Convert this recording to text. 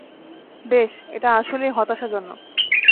বেশ, এটা আসলেই হতাশাজনক।